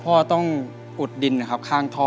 อ๋อพ่อต้องอุดดินข้างทอ